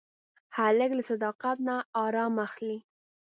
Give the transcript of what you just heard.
هلک له صداقت نه ارام اخلي.